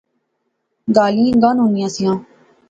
گالیں گانونیاں سیاں